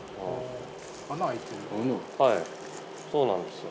そうなんですよ。